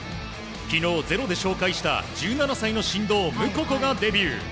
昨日「ｚｅｒｏ」で紹介した１７歳の神童ムココがデビュー。